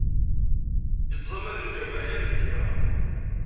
Yettẓalla di lǧamaɛ yal lǧemɛa.